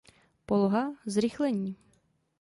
Poloha, zrychlení